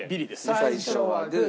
最初はグー。